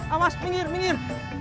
awas minggir minggir